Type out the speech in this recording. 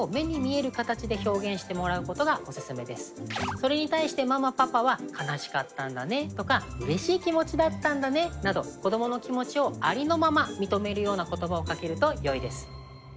それに対してママパパは悲しかったんだねとかうれしい気持ちだったんだねなど子どもの気持ちをありのまま認めるような言葉をかけるとよいです。